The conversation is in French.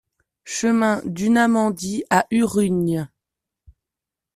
Chemin d'Unamendi à Urrugne